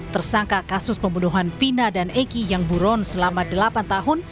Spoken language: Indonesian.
tersangka kasus pembunuhan pina dan egy yang buron selama delapan tahun